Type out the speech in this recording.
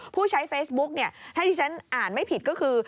ผู้ใช้เฟซบุ๊กเนี่ยถ้าที่ฉันอ่านไม่ผิดก็คือ